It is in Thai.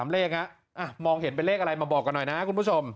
เลขมองเห็นเป็นเลขอะไรมาบอกกันหน่อยนะคุณผู้ชม